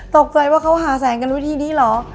ตกใจว่าเขาหาแสงกันวิธีนี้เหรอ